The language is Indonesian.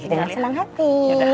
dengan selang hati